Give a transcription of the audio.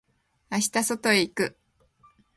明日外へ行く。